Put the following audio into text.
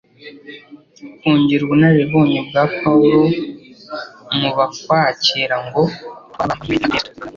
kongera ubunararibonye bwa Paulo mu babwakira ngo: "Twabambanywe na Kristo.